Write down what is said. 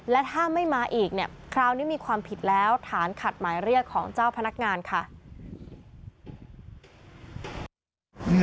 และถ้าไม่มาอีกเนี่ยคราวนี้มีความผิดแล้วฐานขัดหมายเรียกของเจ้าพนักงานค่ะ